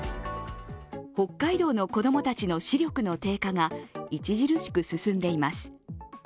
北海道の子供たちの視力の低下が著しく進んでいます。